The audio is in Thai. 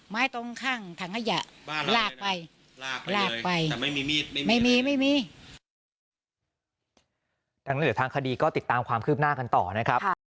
ดังนั้นทางคดีทางคดีก็ติดตามความคืบหน้ากันต่อนะครับ